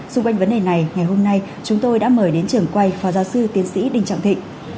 xung quanh vấn đề này ngày hôm nay chúng tôi đã mời đến trường quay phó giáo sư tiến sĩ đinh trọng thịnh